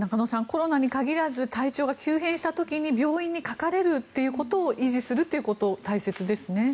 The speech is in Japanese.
コロナに限らず体調が急変した時に病院にかかれることを維持するっていうこと大切ですね。